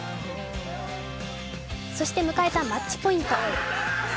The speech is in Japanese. そして迎えたマッチポイント。